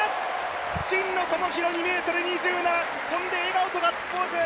真野友博、２ｍ２７跳んで、笑顔とガッツポーズ。